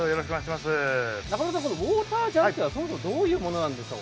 ウォータージャンプというのは、そもそもどういうものなんですか？